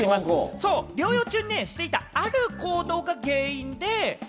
療養中にしていたある行動が原因で。